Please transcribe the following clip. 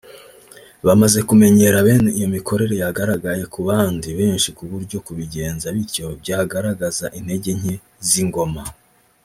Bamaze kumenyera bene iyo mikorere yagaragaye ku bandi benshi ku buryo kubigenza batyo byagaragaza intege nke z’ingoma